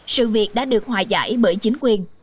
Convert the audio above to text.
sự việc đã được hoài giải bởi chính quyền